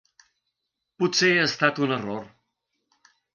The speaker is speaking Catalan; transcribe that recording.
Potser ha estat un error.